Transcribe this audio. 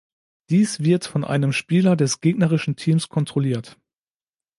Dies wird von einem Spieler des gegnerischen Teams kontrolliert.